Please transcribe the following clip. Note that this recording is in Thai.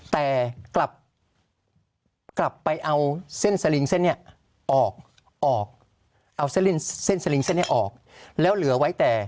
แต่กลับไปเอาเส้นสลิงเส้นนี้ออกออกเอาเส้นสลิงเส้นนี้ออกแล้วเหลือไว้แต่